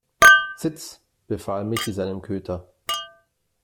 Sitz!, befahl Michi seinem Köter.